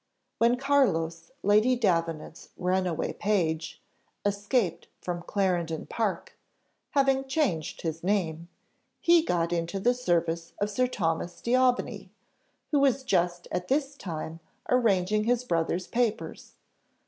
When Carlos, Lady Davenant's runaway page, escaped from Clarendon Park, having changed his name, he got into the service of Sir Thomas D'Aubigny, who was just at this time arranging his brother's papers.